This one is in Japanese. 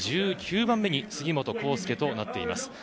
１９番目に杉本幸祐となっています。